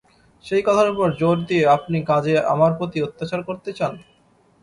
সেই কথার উপর জোর দিয়ে আপনি কাজে আমার প্রতি অত্যাচার করতে চান?